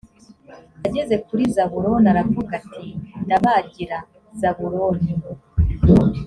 ageze kuri zabuloni aravuga ati dabagira, zabuloni,